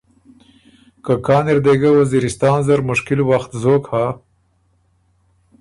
که کان اِر دې ګۀ وزیرستان زر مشکل وخت زوک هۀ،